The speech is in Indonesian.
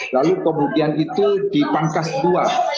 lalu kemudian itu dipangkas dua